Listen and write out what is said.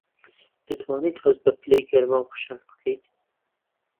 دەتوانیت هەست بە پلەی گەرما و فشار بکەیت؟